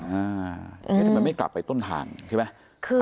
ทำไมไม่กลับไปต้นทางใช่ไหม